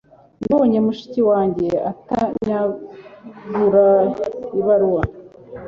nabonye mushiki wanjye atanyagura ibaruwa